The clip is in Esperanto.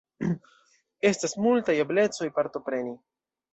Estas multaj eblecoj partopreni.